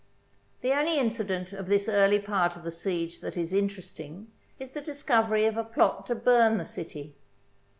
The only incident of this early part of the siege that is interesting is the discovery of a plot to burn the city.